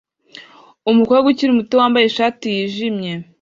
Umukobwa ukiri muto wambaye ishati yijimye